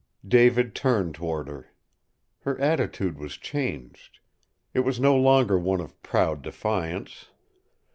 David turned toward her. Her attitude was changed. It was no longer one of proud defiance.